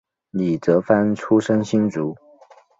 李泽藩出生新竹